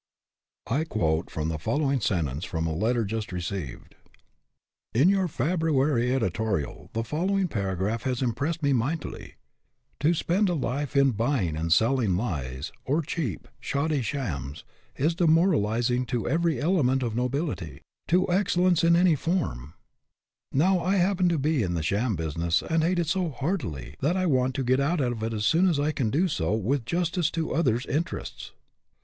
QUOTE the following sentences from a letter just received. " In your February editorial, the follow ing paragraph has impressed me mightily :' To spend a life in buying and sell ing lies, or cheap, shoddy shams, is demoraliz ing to every element of nobility, to excellence in any form/ Now, I happen to be in the sham business and hate it so heartily that I want to get out of it as soon as I can do so with jus tice to others' interests."